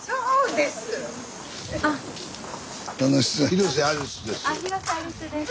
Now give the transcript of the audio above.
広瀬アリスです。